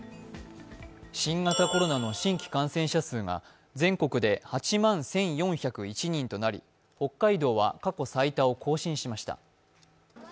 新型コロナの新規感染者数が全国で８万１４０１人となり北海道は過去最多を更新しました。